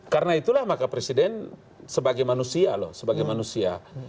karena itulah maka presiden sebagai manusia